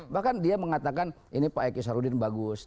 bahkan dia mengatakan ini pak eki sarudin bagus